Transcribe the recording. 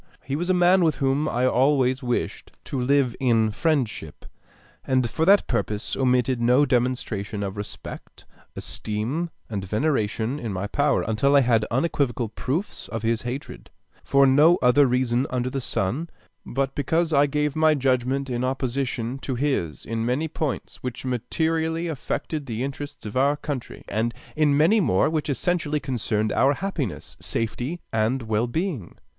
He was a man with whom I always wished to live in friendship, and for that purpose omitted no demonstration of respect, esteem, and veneration in my power, until I had unequivocal proofs of his hatred, for no other reason under the sun but because I gave my judgment in opposition to his in many points which materially affected the interests of our country, and in many more which essentially concerned our happiness, safety, and well being.